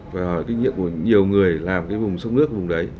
phải hỏi kinh nghiệm của nhiều người làm cái vùng sông nước vùng đấy